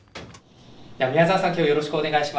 宮沢さん今日はよろしくお願いします。